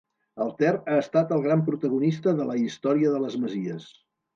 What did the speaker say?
El Ter ha estat el gran protagonista de la història de les Masies.